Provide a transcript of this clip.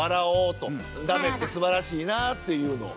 だめってすばらしいなっていうのを。